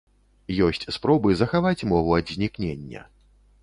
Ёсць спробы захаваць мову ад знікнення.